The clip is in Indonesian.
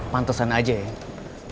mantesan aja ya